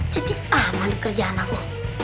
jadi aman kerjaan aku